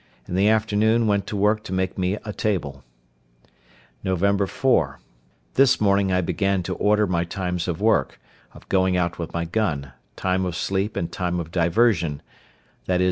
In the afternoon went to work to make me a table. Nov. 4.—This morning I began to order my times of work, of going out with my gun, time of sleep, and time of diversion—viz.